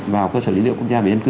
vào cơ sở dữ liệu quốc gia về dân cư